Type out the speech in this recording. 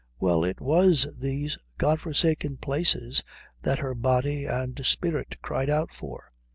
Well, it was these God forsaken places that her body and spirit cried out for.